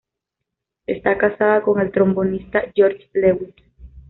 Está casada con el trombonista George Lewis.